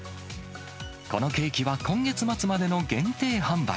このケーキは、今月末までの限定販売。